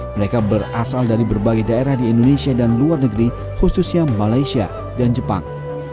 mereka berasal dari berbagai daerah di indonesia dan luar negeri khususnya malaysia dan jepang